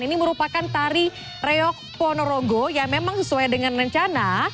ini merupakan tari reok ponorogo yang memang sesuai dengan rencana